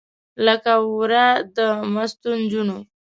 لکه ورا د مستو نجونو